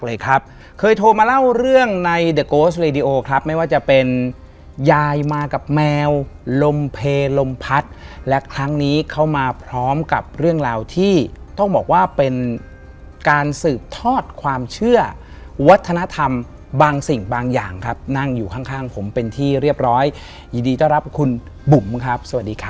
แล้วครั้งนี้เข้ามาพร้อมกับเรื่องราวที่ต้องบอกว่าเป็นการสืบทอดความเชื่อวัฒนธรรมบางสิ่งบางอย่างครับนางอยู่ข้างผมเป็นที่เรียบร้อยยินดีจะรับคุณบุ้มครับสวัสดีค่ะ